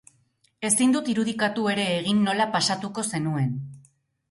Ezin dut irudikatu ere egin nola pasatuko zenuen...